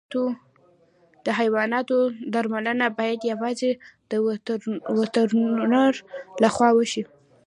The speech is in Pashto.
د حیواناتو درملنه باید یوازې د وترنر له خوا وشي.